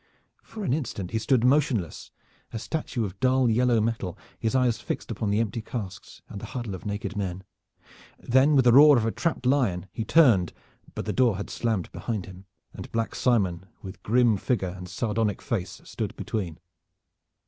For an instant he stood motionless, a statue of dull yellow metal, his eyes fixed upon the empty casks and the huddle of naked men. Then with the roar of a trapped lion, he turned, but the door had slammed behind him, and Black Simon, with grim figure and sardonic face, stood between.